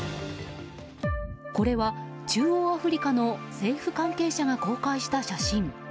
これは中央アフリカの政府関係者が公開した写真。